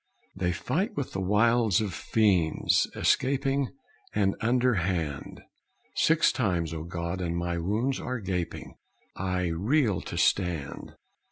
"They fight with the wiles of fiends escaping And underhand. Six times, O God, and my wounds are gaping! I reel to stand.